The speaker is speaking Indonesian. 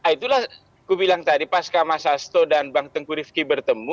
itulah saya bilang tadi pas mas hasto dan bang tengku rifki bertemu